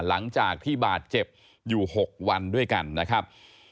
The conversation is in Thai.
หลังจากที่บาดเจ็บอยู่๖วันด้วยกันนะครับ